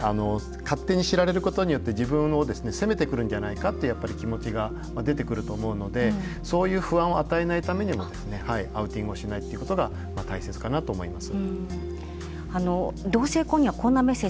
勝手に知られることによって自分を責めてくるんじゃないかってやっぱり気持ちが出てくると思うのでそういう不安を与えないためにもアウティングをしないっていうことが大切かなと思います。